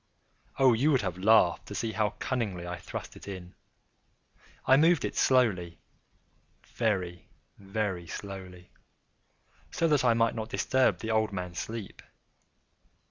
Oh, you would have laughed to see how cunningly I thrust it in! I moved it slowly—very, very slowly, so that I might not disturb the old man's sleep.